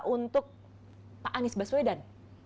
untuk pak anies baswedan